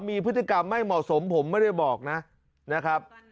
มีพฤติกรรมไม่เหมาะสมผมไม่ได้บอกนะครับ